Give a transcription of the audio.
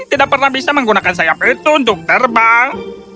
tidak pernah bisa menggunakan sayap itu untuk terbang